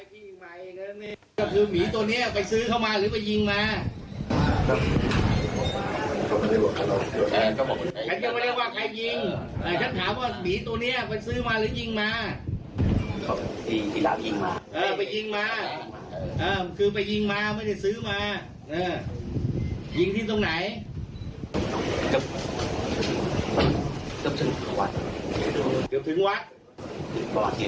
จิกอะไรบ้างคะกลับวิทยาลักษณ์ประหลักษณ์รักษณะบ้าง